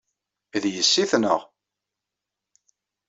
D yessi-tneɣ.